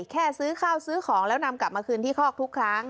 ซื้อข้าวซื้อของแล้วนำกลับมาคืนที่คอกทุกครั้ง